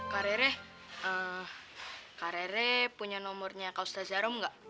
kak rere kak rere punya nomornya kak ustaz jarom nggak